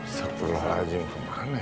astagfirullahaladzim kemana ya